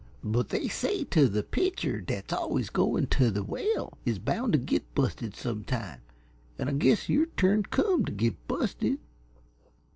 But they say 't the pitcher 't's always goin' t' the well is bound t' git busted sometime, an' I guess your turn come t' git busted.